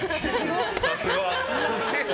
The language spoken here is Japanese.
さすが。